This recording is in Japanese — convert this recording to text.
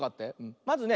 まずね。